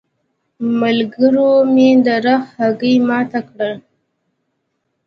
ملګرو مې د رخ هګۍ ماته کړه.